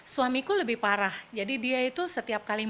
suamiku lebih parah jadi dia itu setiap kali